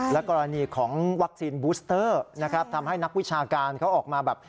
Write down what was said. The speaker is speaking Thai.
และกรณีของวัคซีนบูสเตอร์นะครับทำให้นักวิชาการเขาออกมาแบบ